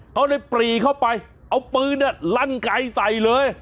เขาเลยปรีเข้าไปเอาปืนลั่นไกลใส่เลย